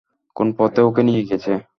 কোন পথে ওকে নিয়ে গেছে?